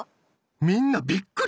みんなびっくり！